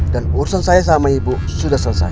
dan urusan saya sama ibu sudah selesai